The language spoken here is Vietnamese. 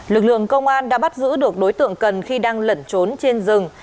lực lượng công an đã bắt giữ được đối tượng cần khi đang lẩn trốn trên rừng